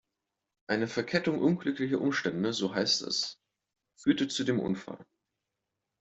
Eine Verkettung unglücklicher Umstände, so heißt es, führte zu dem Unfall.